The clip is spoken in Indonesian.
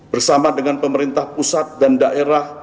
bersama dengan pemerintah pusat dan daerah